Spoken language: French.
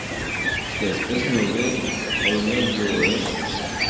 Cette espèce est nommée en l'honneur d'Udo Hoesch.